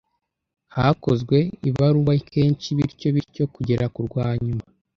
hakozwe ibarura kenshi bityo bityo kugera ku rwa nyuma